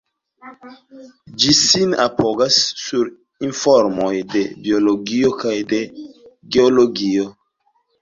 Ĝi sin apogas sur informoj de Biologio kaj de Geologio.